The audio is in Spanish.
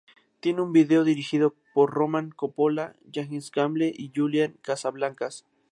Tiene un vídeo dirigido por Roman Coppola, Johannes Gamble y Julian Casablancas.